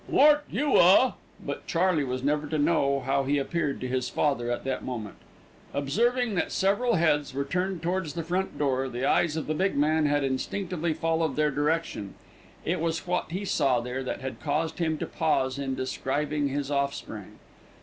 "Ain't you a " but Charley was never to know how he appeared to his father at that moment. Observing that several heads were turned towards the front door, the eyes of the big man had instinctively followed their direction. It was what he saw there that had caused him to pause in describing his offspring.